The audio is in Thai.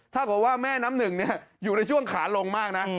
ถ้าเกิดว่าแม่น้ำหนึ่งอยู่ในช่วงขาลงมากนะ